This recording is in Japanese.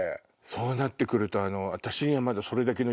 そうなって来ると。